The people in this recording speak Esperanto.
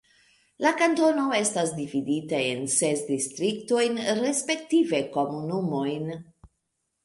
La kantono estas dividita en ses distriktojn respektive komunumojn.